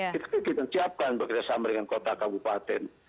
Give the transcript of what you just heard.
kita juga menyiapkan berkesempatan bersama dengan kota kabupaten